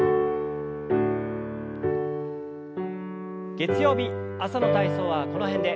月曜日朝の体操はこの辺で。